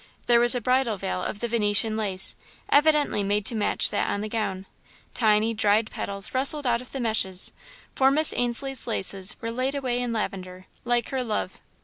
There was a bridal veil of the Venetian lace, evidently made to match that on the gown. Tiny, dried petals rustled out of the meshes, for Miss Ainslie's laces were laid away in lavender, like her love.